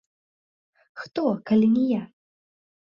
Хто, калі не я?